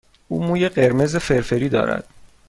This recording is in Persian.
او موی قرمز فرفری دارد.